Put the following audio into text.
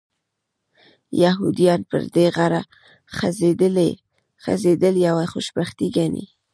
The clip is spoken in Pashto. یهودان پر دې غره ښخېدل یوه خوشبختي ګڼي.